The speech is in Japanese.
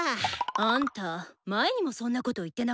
アンタ前にもそんなこと言ってなかった？